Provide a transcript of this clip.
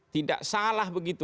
tidak salah begitu